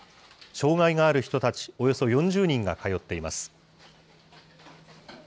障害がある人たちおよそ４０人が通っています。